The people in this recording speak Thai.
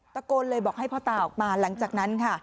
ตะโกนเลยบอกให้พ่อตาออกมาหลังจากนั้นค่ะ